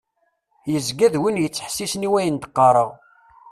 Yezga d win yettḥessisen i wayen d-qqreɣ.